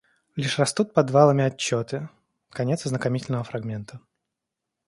Лишь растут подвалами отчеты, Конец ознакомительного фрагмента.